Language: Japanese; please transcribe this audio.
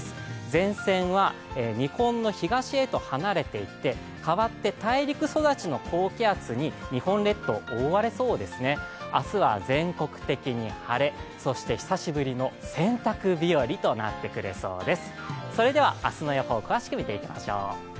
前線は日本の東へと離れていってかわって大陸育ちの高気圧に日本列島、覆われそうですね、明日は全国的に晴れ、そして久しぶりの洗濯日和となってくれそうです。